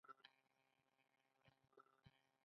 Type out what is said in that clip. احمد شاه ابدالي هم په هند بریدونه وکړل.